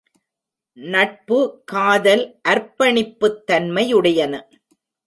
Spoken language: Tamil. நட்பு காதல் அர்ப்பணிப்புத் தன்மையுடையன.